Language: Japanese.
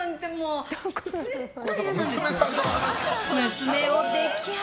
娘を溺愛！